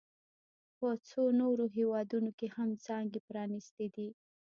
په څو نورو هېوادونو کې هم څانګې پرانیستي دي